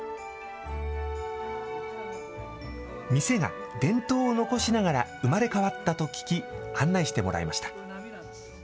店が伝統を残しながら生まれ変わったと聞き案内してもらいました。